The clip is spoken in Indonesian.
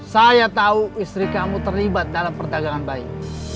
saya tahu istri kamu terlibat dalam perdagangan baik